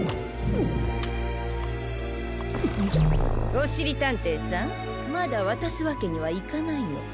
おしりたんていさんまだわたすわけにはいかないの。